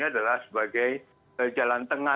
adalah sebagai jalan tengah